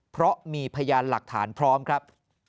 เพราะมีพยานหลักฐานพร้อมครับ